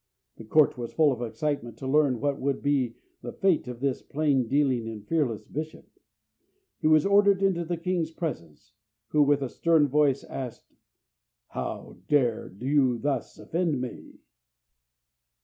The Court was full of excitement to learn what would be the fate of this plain dealing and fearless bishop. He was ordered into the king's presence, who, with a stern voice, asked: "How dared you thus offend me?"